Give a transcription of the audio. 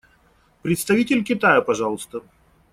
Представитель Китая, пожалуйста.